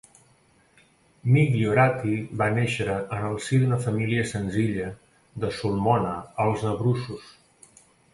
Migliorati va néixer en el si d'una família senzilla de Sulmona als Abruços.